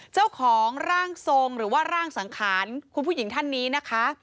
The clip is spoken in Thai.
เจ้าของร่างทรงหรือว่าร่างสังขารคุณผู้หญิงท่านนี้นะคะ